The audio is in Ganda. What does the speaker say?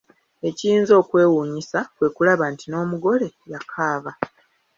Ekiyinza okukwewuunyisa, kwe kulaba nti n'omugole yakaaba.